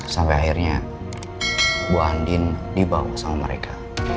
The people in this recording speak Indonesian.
sampai akhirnya buah andin dibawa sama mereka